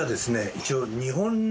一応。